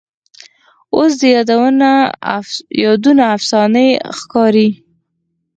اوس دي یادونه افسانې ښکاري